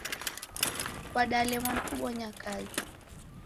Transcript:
Kwadalemwa ni kubonya kazi.